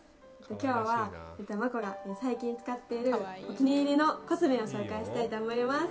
今日は真子が最近使っているお気に入りのコスメを紹介したいと思います。